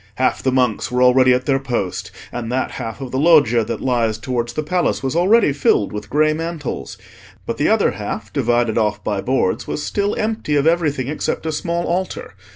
Half the monks were already at their post, and that half of the Loggia that lies towards the Palace was already filled with grey mantles; but the other half, divided off by boards, was still empty of everything except a small altar.